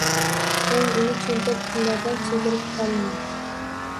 So‘ng uni cho‘ntak pullaridan chegirib qolinadi.